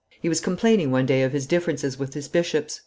He was complaining one day of his differences with his bishops.